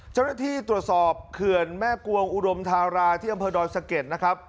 เจ้าหน้าที่ตรวจสอบเขื่อนแม่กวงอุดมธาราที่อำเภอดอยสะเก็ดนะครับ